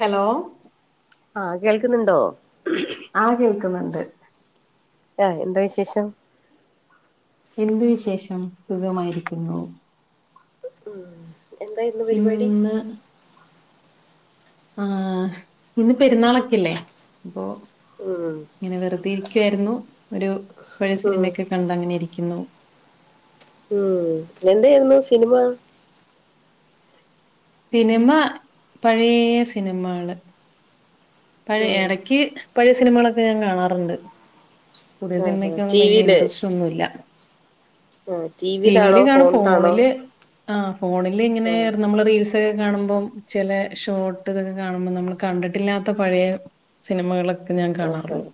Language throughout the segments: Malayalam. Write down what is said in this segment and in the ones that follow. ഹലോ? ആഹ കേൾക്കുന്നുണ്ടോ? ആഹ് കേൾക്കുന്നുണ്ട് ആഹ് എന്താ വിശേഷം എന്ത് വിശേഷം സുഖമായിരിക്കുന്നു ഉം എന്തായിരുന്നു പരിപാടി ഇന്ന് ആഹ് പിന്ന പെരുന്നാളൊക്കെല്ലേ അപ്പൊ ഉം ഇങ്ങനെ വെറുതെ ഇരിക്കുവായിരുന്നു ഒരു പഴയ ഉം സിനിമയൊക്കെ കണ്ട് അങ്ങനെ ഇരിക്കുന്നു ഉം എന്തായിരുന്നു സിനിമ സിനിമ പഴേ സിനിമകള് പഴയ ഉം ഇടക്ക് പഴയ സിനിമകളൊക്കെ ഞാൻ കാണാറുണ്ട് പുതിയ ആഹ് ആഹ് സിനിമയ്ക്കൊന്നും വലിയ ടിവിയില് ഇൻട്രസ്റ്റ് ഒന്നുല്ല ആഹ് ടിവിയിലാണോ ടിവിയില് കാണും ഫോണിലാണോ ഫോണില് ആഹ് ഫോണില് ഇങ്ങനെ ആഹ് നമ്മള് റീൽസ്‌ ക്കെ കാണുമ്പോൾ ചില ഷോർട്ട് ഇതൊക്കെ കാണുമ്പോ നമ്മൾ കണ്ടിട്ടില്ലാത്ത പഴയ സിനിമകളൊക്കെ ഞാൻ ആഹ് കാണാറുള്ളൂ ആഹ്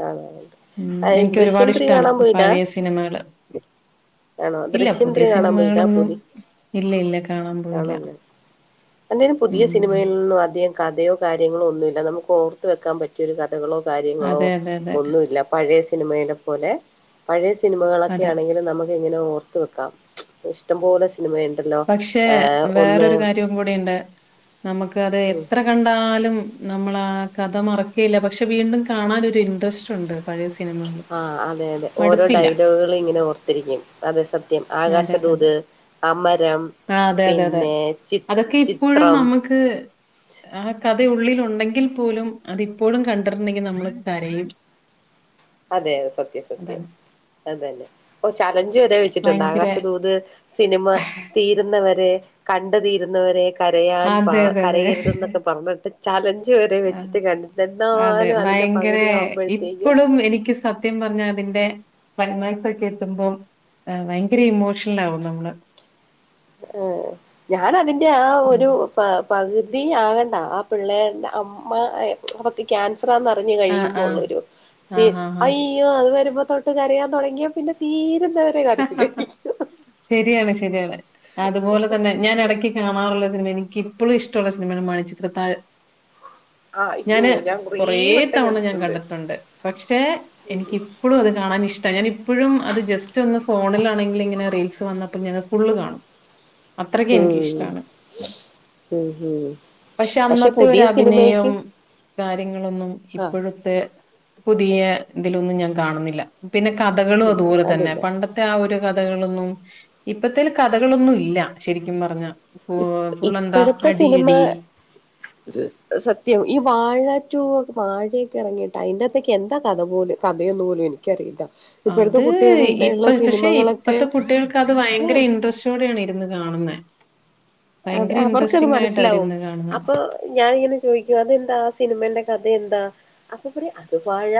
കാണാറുണ്ട് ഉം എനിക്ക് ദൃശ്യം ഒരുപാട് ത്രീ ഇഷ്ടാണ് കാണാൻ പോയില്ല പഴയ സിനിമകള് ആണോ ഇല്ല ദൃശ്യം പുതിയ ത്രീ കാണാൻ പോയില്ല സിനിമകളൊന്നും പുതി ഇല്ല ഇല്ല കാണാൻ പോയില്ല അല്ലേലും പുതിയ ഉം സിനിമയിൽ നിന്നും അധികം കഥയോ കാര്യങ്ങളോ ഒന്നുമില്ല നമുക്ക് ഓർത്ത് വെക്കാൻ പറ്റ് മറ്റരു കഥകളോ കാര്യങ്ങളോ അതെ അതെ അതെ ഒന്നുല്ല പഴയ സിനിമയിലെ പോലെ പഴയ സിനിമകളൊക്കെ അതെ ആണെങ്കിലും നമുക്ക് ഇങ്ങനെ ഓർത്ത് വെക്കാം ഇഷ്ടപോലെ സിനിമയുണ്ടല്ലോ പക്ഷെ ആഹ് ഒന്ന് വേറൊരു കാര്യവും കൂടിട്ടുണ്ട് നമുക്ക് അത് ഉം, എത്ര കണ്ടാലും നമ്മളാ കഥ മറക്കേല്ല പക്ഷെ വീണ്ടും കാണാനൊരു ഇൻട്രസ്റ്റ് ഉണ്ട് പഴയ സിനിമ ആഹ് അതെ അതെ ഓരോ ഡയലോഗുകളും ഇങ്ങനെ ഓർത്തിരിക്കും അതെ സത്യം ആകാശദൂത് അമരം ആഹ് അതെ അതെ അതെ പിന്നെ ചി അതൊക്കെ ഇപ്പോഴും ചിത്രം നമുക്ക് ആഹ് കഥ ഉള്ളിൽ ഉണ്ടെങ്കിൽ പോലും അതിപ്പോഴും കണ്ടിട്ടുണ്ടെങ്കിൽ നമ്മൾ കരയും [unintelligible] അതെ സത്യം സത്യം അതാണ്. അതന്നെ ഓ ചലഞ്ചു വരെ വെച്ചിട്ടുണ്ട് ഭയങ്കര ആകാശദൂത് സിനിമ തീരുന്നവരെ കണ്ടു തീരുന്നവരെ കരയാൻ പാ അതെ, അതെ, അതെ. കരയരുതെന്നൊക്ക പറഞ്ഞിട്ട് ചലഞ്ച് വരെ ആ. വെച്ചിട്ട് കണ്ടിട്ടണ്ട് അതെ ഭയങ്കര ഇപ്പോഴും എനിക്ക് സത്യം പറഞ്ഞാ അതിന്റെ ക്ലൈമാക്സ് ഒക്കെ എത്തുമ്പോം ആഹ് ഭയങ്കര ഇമോഷണൽ ആകും നമ്മള് ഏഹ് ഞാൻ അതിന്റെ ആഹ് ഉം. ഒരു ആഹ് പകുതി ആകണ്ട ആഹ് പിള്ളേര്ടെ അമ്മ അവർക്ക് കാൻസ റന്ന് അറിഞ്ഞു ആ, ആ. കഴിയുമ്പോള്ളരു സീ ആഹാഹാ. യോ അത് വരുമ്പോ തൊട്ട് കരയാൻ തുടങ്ങിയാ പിന്നെ തീരുന്നവരെ കരച്ചില് ശരിയാണ് ശരിയാണ് അതുപോലെ തന്നെ ഞാൻ എടക്ക് കാണാറുള്ള സിനിമ എനിക്ക് ചി - എപ്പോഴും ഇഷ്ടള്ള സിനിമയാണ് മണിചിത്രത്താഴ് ആഹ് അയ്യോ ഞാന് ഞാൻ കുറേ കൊറേ വട്ടം തവണ ഞാൻ കണ്ടിട്ടുണ്ട് പക്ഷെ എനിക്ക് എപ്പോഴും അത് കാണാൻ ഇഷ്ട ഞാൻ ഇപ്പോഴും അത് ജസ്റ്റ് മറ്റൊന്ന് ഫോണിലാണെങ്കിൽ ഇങ്ങനെ റീൽസ് വന്നപ്പം ഞാനത് ഫുളള് കാണും അത്രക്ക് ഉം എനിക്കിഷ്ടാണ് ഉം ഉം പക്ഷെ അന്നത്തെ പുതിയ സിനിമയ്ക്ക് ഒരഭിനയം കാര്യങ്ങളൊന്നും ആ ഇപ്പോഴും പുതിയ ഇതിലൊന്നും ഞാൻ കാണുന്നില്ല പിന്നെ കഥകളും ഇല്ല, അതുപോലെ തന്നെ അതില്ല പണ്ടത്തെ ആഹ് ഒരു കഥകളൊന്നും ഇപ്പത്തെൽ കഥകളൊന്നും ഇല്ല ശരിക്കും പറഞ്ഞ ഫൂ ഇപ്- ഫുള്ളെന്താ ഇപ്പോഴത്തെ സിനിമ അടിയിടി സത്യം ഈ വാഴറ്റൂ വാഴയൊക്കെ ഇറങ്ങിയിട്ട് അയിന്റെത്തേക്ക് എന്താ കഥ പോലും കഥയൊന്നു പോലും എനിക്കറിയില്ല ഇപ്പോഴത്തെ അത് കുട്ടികളുടെ ഇപ്പ ഉള്ള പക്ഷെ സിനിമകളൊക്കെ ഇപ്പത്തെ കുട്ടികൾക്ക് അത് ശ്ശേ, ഭയങ്കര ഇൻട്രസ്റ്റ് ടെയാണ് ഇരുന്ന് കാണുന്നേ അത് അവർക്കത് മനസ്സിലാവും അവരിരുന്ന് കാണുന്നെ. അപ്പൊ ഞാനിങ്ങനെ- ചോദിക്കും അതെന്താ ആ സിനിമേന്റെ കഥയെന്താ അപ്പൊ പറയും അത് വാഴ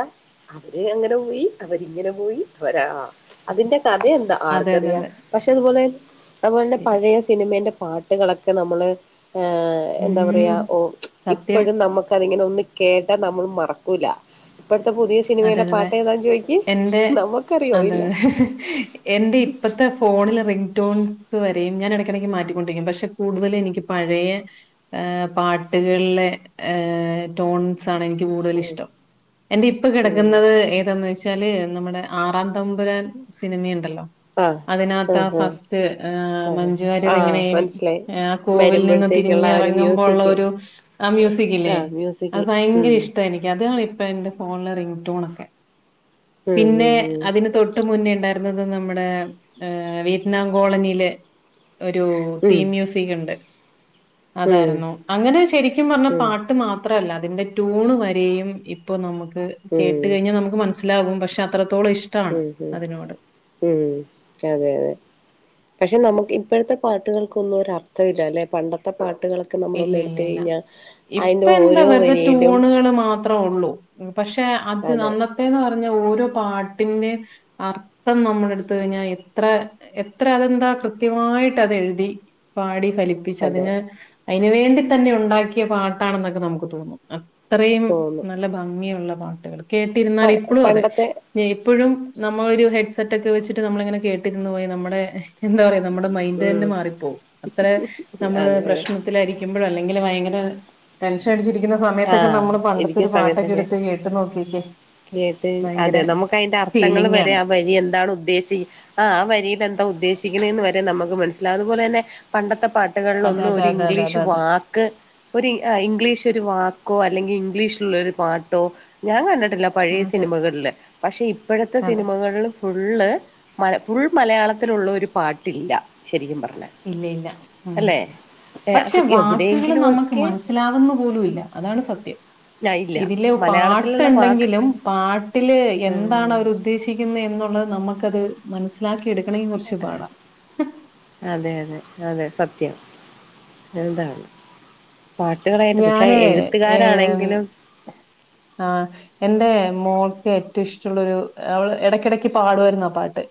അവര് അങ്ങനെ പോയി അവരിങ്ങനെ പോയി അവരാ അതിന്റെ കഥയ എന്താ അതെ, അതെ, ആർക്കറിയാം അതെ. പക്ഷെ അതുപോലെ അതുപോലെന്നെ ഇല്ല. പഴയ സിനിമേന്റെ പാട്ട്- ട്ടുകളൊക്കെ നമ്മള് ഹ് എന്താ പറയാ മ്മ്. ഓ സത്യം. ഇപ്പോഴും നമുക്ക് ഇതിങ്ങനെ ഒ - കേട്ടാ നമ്മള് മറക്കൂല ഇപ്പോഴത്തെ പുതിയ സി - അതെയതെ അതെ എന്റെ നമുക്കറിയോ അതെ ഇല്ല അതെ ഹ് ഹ് എന്റെ ഇപ്പത്തെ- ഫോണിലെ റിംഗ്ടോൺസ് വരെയും ഞാൻ എടയ്ക്ക് എടയ്ക്ക് മാറ്റിക്കൊണ്ടിരിക്കും പക്ഷെ കൂടുതല് എനിക്ക് പഴയ- ആഹ് പാട്ട് പാട്ടുകളിലെ ടോൺസ് ആണ് എനിക്ക് കൂടുതൽ ഉം ഇഷ്ടം. എന്റെ ഇപ്പ ഉം കെടക്കുന്നത്- ഏതാന്ന് ചോദിച്ചാല് നമ്മുടെ ആറാം തമ്പുരാൻ സിനിമയുണ്ടല്ലോ ആഹ് അതിനകത്ത് ആഹ് ഫസ്റ്റ് ഏഹ് അതെ മഞ്ജു വാര്യർ ആഹ് ഇങ്ങനെയും മനസ്സിലായി ഏഹ് കോവിൽ നിന്ന് വരുമ്പോഴത്തേക്കുള്ള തിരിഞ്ഞ് ആ ഒരു എറങ്ങുമ്പോ ഉള്ള മ്യൂസിക് ഒരു ആഹ് മ്യൂസിക്കില്ലേ ആഹ് മ്യൂസിക് അത് ഭയങ്കര ഉം ഇഷ് താ എനിക്ക് അതാ ഇപ്പ എന്റെ ഫോണിലെ റിംഗ്ടൂണൊക്കെ ഉം പിന്നെ ഉം അതിന് തൊ തൊട്ടു മുന്നേ ഉണ്ടായിരുന്നത് നമ്മുടെ വിയറ്റ്നാം കോളനിയിലെ- ഒരു ഉം ഉം തീം മ്യൂസിക് ഒണ്ട്. ഉം അതായിരുന്നു. ഉം അങ്ങനെ ശരിക്കും പറഞ്ഞാ പാട്ട് മാ ത്രല്ല അതിന്റെ ട്യൂൺ വരെയും ഇപ്പ നമുക്ക് കേട്ടു ഉം കഴിഞ്ഞാ നമുക്ക് മനസ്സി ലാകും പക്ഷെ അത്രത്തോളം ഇഷ് ഉം ഉം ഉം അതെ അതെ. പക്ഷെ നമുക്ക് ഇപ്പോഴത്തെ പാട്ടുകള്ക്കൊന്നും ഒരു അർഥമില്ല അല്ലെ. പണ്ടത്തെ പാട്ടുകള് - ഇല്ലില്ല ഇല്ല ഇപ്പൊ എന്താ ഓരോ വെറുതെ വരിയിലും ടൂണുകള് മാ ത്ര ഉള്ളൂ. പക്ഷെ അത് അതെ അന്ന ത്തെന്ന് പറഞ്ഞ ഓരോ പാട്ടിന്റെ - അർത്ഥം നമ്മള് എടുത്തു കഴിഞ്ഞാ എത്ര എത്ര അതെന്താ കൃത്യമായിട്ട് അത് എഴുതി - പാടി ഫലിപ്പിച്ച് അതെ അതിന് അതിന് വേണ്ടി തന്നെ ഉണ്ടാക്കിയ പാട്ടാണെന്നൊക്കെ നമുക്ക് തോന്നും. അ അത്രയും തോന്നും നല്ല ഭംഗിയുള്ള പാട്ടുകള്. കേട്ടിരുന്നാൽ പ ഇപ്പളും അതെ- പണ്ടത്തെ ഇപ്പൊഴും നമ്മള് ഒരു ഹെഡ്സെറ്റ് ഒക്കെ വെച്ചിട്ട് നമ്മളിങ്ങനെ കേട്ടിരുന്നു പോയി നമ്മടെ- എന്താ പറയാ നമ്മുടെ മൈൻഡ് ഉം തന്നെ മാറിപ്പോവും. അത്ര നമ്മള് അതെ പ്ര അതെ ത്തിലായിരിക്കുമ്പഴോ അല്ലെങ്കില് ഭയങ്കര ടെൻഷൻ അടിച്ചിരിക്കുന്ന- സമയത്തൊക്കെ ആഹ് നമ്മള് പണ്ടത്തെൊരു പാട്ടൊക്കെ എടുത്ത് കേട്ടു നോക്കീക്കേ. കേട്ട് അതെ നമുക്ക് അതിന്റെ അർത്ഥങ്ങൾ ഫീലിംഗ് വരെ ആണ് ആഹ് വരി എന്താണ് ഉദ്ദേശി ആഹ് ആ വരിയിൽ എന്താ ഉദ്ദേശിക്കണന്ന് വരെ നമുക്ക് മനസിലാവും അതുപോലെ തന്നെ- പണ്ടത്തെ പാട്ടുകളിൽ അതെ ഒന്നും അതെ ഒരു അതെ അതെ അതെ ഇംഗ്ലീഷ് അതെ വാക്ക് ഒരു ഇ ഇംഗ്ലീഷ് ഒരു വാ ക്കോ അല്ലെങ്കിൽ ഇംഗ്ലീഷിലുള്ളൊരു പാട്ടോ ഞാൻ കണ്ടിട്ടില്ല. പഴയെ അതെ സിനിമകളില് പക്ഷേ ഇപ്പോഴത്തെ അതെ സിനിമകളിലും- ഫുള്ള് മല ഫുൾ മലയാളത്തിലുള്ള ഒരു പാട്ടില്ല ശരിക്കും പറഞ്ഞാ ഇല്ല ഇല്ല ഉം പക്ഷെ അത് വാക്കുകള് എവിടെയെങ്കിലും നമ്മക്ക് ഒക്കെ മനസ് സ്സിലാവുന്നു പോലുംയില്ല അതാണ് സത്യം. ഞാൻ ഇല്ല ഇതില് മലയാളത്തിലുള്ള വാക്ക് പാട്ടുണ്ടെങ്കിലും പാട്ടില് ആ എന്താണവര് ഉ ദ്ദേശിക്കുന്നേന്ന് എന്നുള്ളത് നമുക്കത് മനസ്സിലാക്കിയെടുക്കണെങ്കി കൊറച്ച് പാടാ. അതെ അതെ അതെ സത്യം എന്താ [unintelligible] ണ് പാട്ടുകളായിട്ട് പക്ഷെ ഞാന് എഴുത്തുകാരാണെങ്കിലും- ആഹ് എന്റെ മോൾക്ക് ഏറ്റവും ഇഷ്ടൊള്ളൊരു അവള് എടയ്ക്കിടക്ക് പാടുമായിരുന്നു ആഹ് പാട്ട്.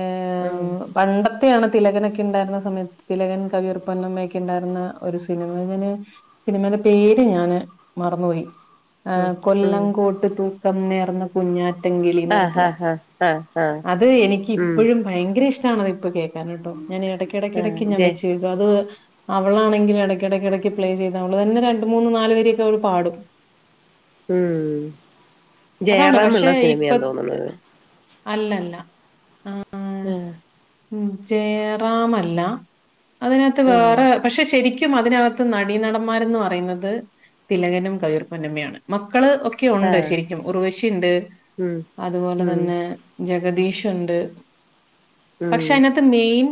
ഏം, ഉം പണ്ടത്തെയാണ് തിലകനൊക്കെ ഇണ്ടായിരുന്ന സമയത്ത് തിലകൻ കവിയൂർപൊന്നമ്മയൊക്കെ ഇണ്ടായിരുന്ന ഒരു സിനിമ ഞാന്- സിനിമയുടെ പേര് ഞാന് മറന്നുപോയി ഉം ഉം കൊല്ലംകോട്ട് തൂക്കം നേർന്ന- കുഞ്ഞാറ്റംകിളീന്ന് ആഹ് പറഞ്ഞിട്ടുള്ള ആഹ് ആഹ് ആഹ് ആഹ് അത് എനിക്ക് ഉം ഇപ്പഴും- ഭയങ്കര ഇഷ്ടമാണത് ഇപ്പോ കേൾക്കാനട്ടോ. ഞാന് എടയ്ക്ക് എടയ്ക്ക് ആഹ് എടയ്ക്കിടക്ക് ഞാൻ ജയ വച്ചു കെ - അത് അവളാണെങ്കിലും ഇടയ്ക്ക് ഇടയ്ക്ക് ഇടയ്ക്ക് പ്ലേ ചെയ്ത് അവള് തന്നെ രണ്ടു മൂന്ന് നാല് വരിയൊക്കെ അവള് പാടും. ഉം അതാണ് ജയറാം ഉള്ള പക്ഷെ ഇപ്പൊ സിനിമയാന്നു തോന്നുന്നത്. അല്ലല്ല. ആഹ് ഏഹ് ഉം ജയറാമല്ല. അതിനകത്ത് ആഹ് വേറെ പക്ഷെ ശരിക്കും അതിനകത്ത് നടീനടന്മാരെന്ന് പറയുന്നത് തിലകനും കവിയൂർപ്പൊന്നമ്മയാണ്. മക്കള് ഒ ക്കെ ഉണ്ട് ആഹ് ശരിക്കും. ഉർവശീണ്ട്. ഉം അതുപോലെ ഉം തന്നെ ജഗദീഷ്ണ്ട് പക്ഷെ ഉം അയ്ന മെയിൻ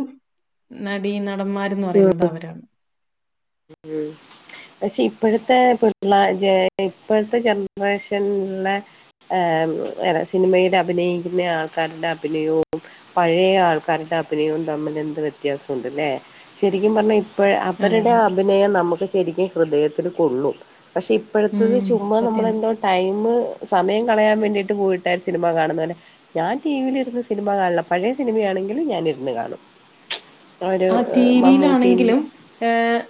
നടി നടന്മാര് ഉം ഉം.. പക്ഷെ ഇപ്പോഴത്തെ പിള്ള ജെ ഇപ്പോഴത്തെ ജനറേഷൻള്ള.. ഏഹ് സിനിമയിൽ അഭിനയിക്കുന്ന ആൾക്കാരുടെ അഭിനയവും.. പഴയ ആൾക്കാരുടെ അഭിനയവും തമ്മിൽ എന്ത് വ്യത്യാസുണ്ട്ല്ലേ.. ശരിക്കും പറഞ്ഞാൽ ഇപ്പഴ അതെ അവരുടെ അതെ അഭിനയം നമുക്ക് ശരിക്കും ഹൃദയത്തിൽ കൊള്ളും പക്ഷേ ഇ പ്പഴത്തത് ഉം ചുമ്മാ സത്യം നമ്മളെന്തോ ടൈമ് സമയം കളയാൻ വേണ്ടിട്ട് പോയിട്ടായ് സിനിമ കാണുന്നലെ ഞാൻ ടിവിയിൽരുന്ന് സിനിമ കാണലാ പഴയ സിനിമയാണെങ്കിലും ഞൻ ഇരുന്ന് കാണും.. അഒരു ഹ്.. വിയിലാണെങ്കിലും ഏഹ്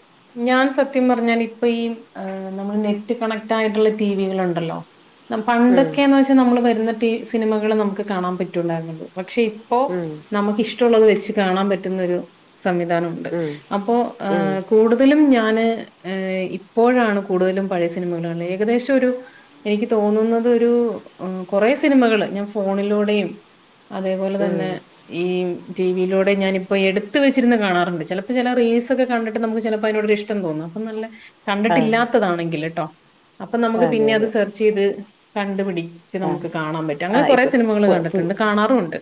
ഞാൻ സത്യം പറഞ്ഞാൻ ഇപ്പ ഈ ഏഹ് നമ്മൾ നെറ്റ് കണക്ട് ആയിട്ടുള്ള ടിവികൾ ഉണ്ടല്ലോ.. ഉം, പണ്ടൊക്കെന്ന് വെച്ചാ നമ്മള് വരുന്ന ടി സിനിമകള് നമുക്ക് കാണാൻ പറ്റുള്ളായിരുന്നുള്ളൂ പക്ഷെ ഉം, പ്പോനമുക്ക്ഷ്ടൊള്ളത് വെച്ച് കാണാൻ പറ്റുന്നൊ ഒരു സംവിധാനം ണ്ട് ഉം, അപ്പോ ഉം. ഏഹ് കൂടു തലും ഞാന് ഏഹ് ഇപ്പോഴാണ് കൂടുതലും പഴയ സിനിമകൾ കാണൽ ഏകദേശം ഒരു എനിക്ക് തോന്നുന്നത് ഒരു കുറെ സിനിമകള് ഞാൻ ഫോണിലൂടെയും അതേപോലെ തന്നെ ഉം ഈ ടി വിയിലൂടെ ഞാനിപ്പോ എടു ത്ത് വെച്ചിരുന്നു കാണാറുണ്ട് ചിലപ്പോ ചില റീൽസ്ക്ക കണ്ട്ട്ട് നമുക്ക് ചിലപ്പോ അതിനോട് ഇഷ്ടം തോന്നും അപ്പ നല്ല.. ആഹ് കണ്ടിട്ടില്ലാത്തതാണെങ്കിൽ ട്ടോ അപ്പൊ നമുക്ക് അതെ പിന്നെ അത് അതെ സെർച്ച് ചെയ്ത് കണ്ട് പിടി ച്ച് ആഹ് നമുക്ക് കാണാൻ പറ്റും അങ്ങനെ ആഹ് കുറെ ഇപ്പൊ സിനിമകൾ പു പു കണ്ടിട്ട്ണ്ട് കാണാറുണ്ട്..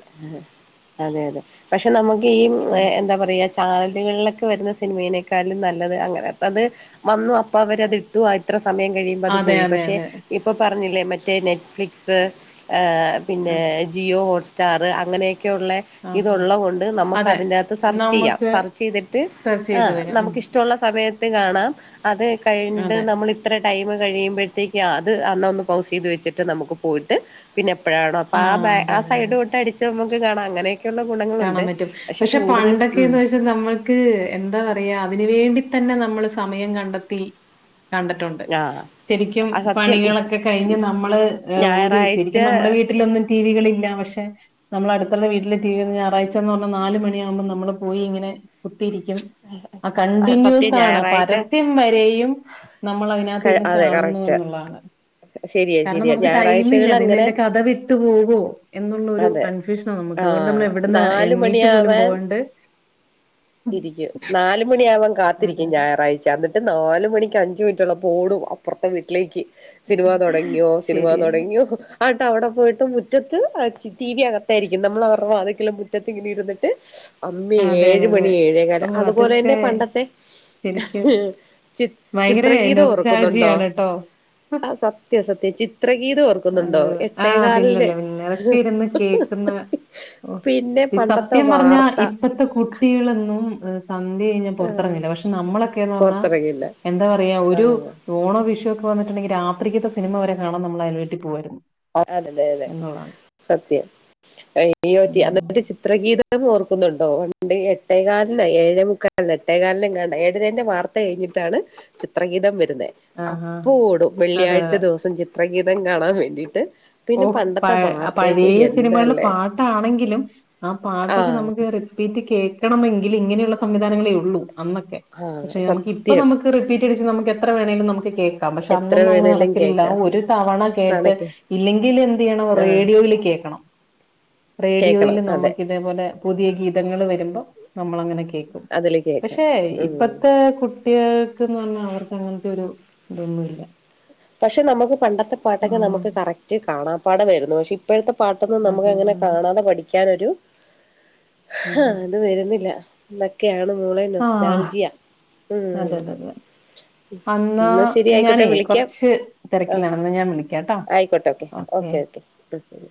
അതെ അതെ പക്ഷെ നമുക്ക് ഈ ഉം. എന്താ പറയാ ചാനലുകളിലൊക്കെ വരുന്ന സിനിമേയ്നേക്കാളും നല്ലത് അങ്ങനെ അത് വന്നു അപ്പ അവരത് ടു അ ഇത്ര സമയം കഴിയുമ്പോ അത് അതെ പോയി അതെ പക്ഷേ അതെ ഇപ്പം പറഞ്ഞില്ലേ മറ്റേ നെറ്റ് ഫ്ലിക്സ് ഏഹ് ആ പിന്നെ ജിയോ ഹോട്ട്സ്റ്റാർ അങ്ങനെയൊക്കെയുള്ളെ ആ ആ. ഇതുള്ളഹ് കൊണ്ട് നമുക്ക് അതെ അതിന്റകത്ത് സെർച്ചയ്യാം നമുക്ക് സെർച്ച്യ്തിട്ട്.. സെർച്ച് ചെയ്ത് എഹ് വരാം ഉം. നമുക്ക് ഇഷ്ടമുള്ള സമയത്ത് കാണാം അത് കഴിണ്ട് അതെ നമ്മൾ ത്ര ടൈം കഴിയുമ്പോഴത്തേക്കും അത് അന്ന ഒന്ന് പൗസ്യ്ത് വെച്ചിട്ട് നമുക്ക് പോയിട്ട്.. പിന്നെ എപ്പോഴാണോ അപ്പൊ ആ ബാ അതെ ആ അതെ സൈഡ് അതെ തൊട്ട് അടിച്ച് നമുക്ക് കാണാം അങ്ങനെ ക്കെള്ള ഗുണങ്ങളുണ്ട് പക്ഷെ കൂടുതൽ ഉം ട്ട് നമ്മൾക്ക് എന്താ പറയാ അതിന് വേണ്ടി തന്നെ നമ്മൾ സമയം കണ്ടെത്തി. കണ്ടിട്ടുണ്ട്. ആഹ് ശരിക്കും ആ സത്യം ഇ- പണികളൊക്കെ കഴിഞ്ഞ് നമ്മള് എഹ് ഒരു ഞായറാഴ്ച ശരിക്കും നമ്മുടെ വീട്ടിലൊന്നും ടിവികളില്ല പക്ഷെ നമ്മൾ അടുത്തുള്ള വീട്ടില് ടി വി ഞായറാഴ്ചന്ന് പറഞ്ഞ നാല് മണിയാവുമ്പോ നമ്മള് പോയിങ്ങനെ കുത്തിയിരിക്കും ആഹ് ആ, സത്യം കണ്ടിന്യൂസ് ആണ് ഞായറാഴ്ച പരസ്യം വരെയും നമ്മൾ അതിനകത്ത് ക- ഇരുന്ന് അതെ കാണുന്നു കറക്റ്റ് ന്നുള്ളാണ് ശരിയാ കാരണം ശരിയാ നമുക്ക് ടൈമില്ല ഞായറാഴ്ചകൾ അതിന് അങ്ങനെ അയ്ന്റെ കഥ വിട്ടു പോവോ എന്നുള്ളരു അതെ കൺ ഫ്യുഷനാ നമുക്ക് അതുകൊണ്ട് നമ്മൾ ആഹ് എവിടന്ന് നാല് എണ്ണീറ്റ് പോലും മണിയാവാൻ പോവാണ്ട് ഇരിക്കും നാലുമണിയാവാൻ അതെ കാത്തിരിക്കും ഞാ അതെ റാഴ്ച്ചാ എന്നിട്ട് നാല് മണിക്ക് അഞ്ച് മിനിറ്റുള്ളപ്പോ ഓടും അപ്പുറത്തെ വീട്ടിലേക്ക്. സിനിമ തൊടങ്ങിയോ സിനിമ ശരിയാണ് തൊടങ്ങിയോ. ആട്ട് അവിടെ പോയിട്ട് മുറ്റത്ത് ടി വി അകത്തായിരിക്കും നമ്മൾ അവരുടെ വാതക്കല്ലും മുറ്റത്തി ഇങ്ങനെ ഇരുന്നിട്ട്. അന്ന് അതെ ഏഴ് അതെ മണി അതെ ഏഴേ കാല ഓ അതുപോലെ തന്നെ അതൊക്കെ പണ്ടത്തെ ശരിക്കും ചി ഭയങ്കര ചിത്രഗീത ഓർക്കുന്നുണ്ടോ നൊസ്റ്റാൾജിയാണ് ട്ടോ. ആ സത്യം സത്യം ചിത്രഗീതം ഓർക്കു അ ആഹ് പിന്നല്ലേ പിന്നെ അതൊക്കെ ഇരുന്ന് കേക്കുന്ന പിന്നെ പണ്ടത്തെ സത്യം പറഞ്ഞാ വാർത്ത ഇപ്പത്തെ കുട്ടികളൊന്നും സന്ധ്യ കഴിഞ്ഞാൽ പൊറത്തിറങ്ങില്ല പക്ഷെ നമ്മളൊക്കെന്ന് പറഞ്ഞാ ഓർത്തിറങ്ങില്ല. ആ എന്താ പറയാ പുറത്തിറങ്ങിയില്ല ഒരു ആഹ് ഓണോ വിഷുക്കെ വന്നിട്ടുണ്ടെങ്കിൽ രാത്രിക്കത്തെ സിനിമ വരെ കാണാൻ നമ്മൾ അയൽ വീട്ടിൽ പോവായിരുന്നു ആഹ് അതെ അതെ അതെ എന്നുള്ളതാണ്. സത്യം. [unintelligible] ഉം. അന്നത്തെ ഒരു ചിത്രഗീതം ഓർക്കുന്നുണ്ടോ പണ്ട് എട്ടേകാലിനാ ഏഴേ മുക്കാ അല്ല എട്ടേകാലിന് എങ്ങാണ്ട ഏഴരേന്റെ വാർത്ത കഴിഞ്ഞിട്ടാണ് ചിത്രഗീതം വരുന്നെ ആഹാ. അപ്പോടും അതെ, വെള്ളിയാഴ്ച്ച ദിവസം ചിത്രഗീതം കാണാൻ വേണ്ടിട്ട് ഓഹ് പഴ പഴയ സിനിമകളിൽ പാട്ടാണെങ്കിലും ആ പാട്ടൊക്കെ നമുക്ക് റിപ്പീറ്റ് കേക്കണമെങ്കില് ഇങ്ങനെയുള്ള സംവിധാനങ്ങളേ ഉള്ളൂ അന്നൊക്കെ ആ പക്ഷെ നമുക്കിപ്പൊ സത്യം നമുക്ക് റിപ്പീറ്റ് അടിച്ച് നമുക്ക് എത്ര വേണേലും നമുക്ക് കേക്കാം പക്ഷെ എത്ര അന്നൊന്നും അങ്ങനെ വേണേലും നടക്ക് ഇല്ല കേക്കാം ഒരു തവണ കേട്ട് നാണക്കെ ഇല്ലെങ്കില് എന്ത് ചെയ്യണം ആ റേഡിയോയിൽ കേൾക്കണം റേഡിയോയിൽ കേക്കണം അതെ നമുക്കിത് അതേപോലെ പുതിയ ഗീതങ്ങൾ വരുമ്പം നമ്മളങ്ങനെ കെ കേക്കും അതില് കേക്കാം പക്ഷെ ഉം ഇപ്പത്തെ കു ട്ടികൾക്ക്ന്ന് പറഞ്ഞാൽ അവർക്ക് അങ്ങനത്തെ ഒരു ഇതൊന്നുല്ല പക്ഷെ നമുക്ക് പണ്ടത്തെ പാട്ടൊക്കെ ആഹ് നമുക്ക് കറക്റ്റ് കാണാ പാടായിരുന്നു പക്ഷെ ഇപ്പത്തെ പാട്ടൊന്നും നമുക്ക് അതെ അതെ അങ്ങനെ അതെ കാണാതെ പഠിക്കാനൊരു ആ അത് വരുന്നില്ല ഇതൊക്കെയാണ് മോളെ ആഹ് ആഹ് നൊസ്റ്റാൽജിയ ഉം അതെ അതെ അതെ ഉം അന്നാ എന്നാ ശെരി ആയിക്കോട്ടെ ഞാനേ വിളിക്കാം കുറച്ച് ആ തിരക്കിലാണ് എന്നാ ഞാൻ വിളിക്കാട്ടോ ആയിക്കോട്ടെ ഓക്കെ ഓക്കെ ഓക്കെ ശരി